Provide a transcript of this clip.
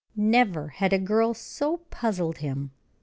Never had a girl so puzzled him.